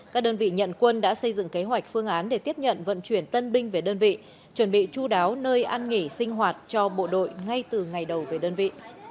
các đơn vị nhận quân đã xây dựng kế hoạch phương án để tiếp nhận vận chuyển tân binh về đơn vị chuẩn bị chú đáo nơi ăn nghỉ sinh hoạt cho bộ đội ngay từ ngày đầu về đơn vị